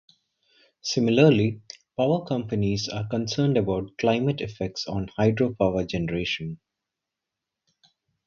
Similarly, power companies are concerned about climate effects on hydropower generation.